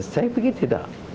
saya pikir tidak